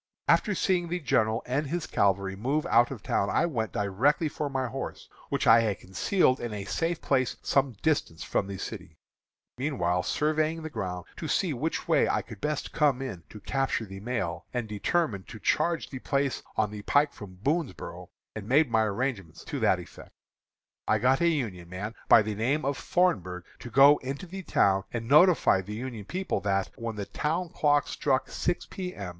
"After seeing the general and his cavalry move out of town, I went directly for my horse, which I had concealed in a safe place some distance from the city, meanwhile surveying the ground to see which way I could best come in to capture the mail, and determined to charge the place on the pike from Boonsboro', and made my arrangements to that effect. I got a Union man, by the name of Thornburgh, to go into the town and notify the Union people that, when the town clock struck six P. M.